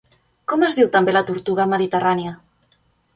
Com es diu també la tortuga mediterrània?